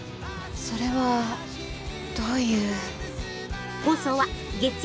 それはどういう。